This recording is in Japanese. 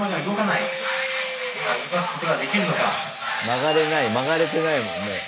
曲がれない曲がれてないもんね。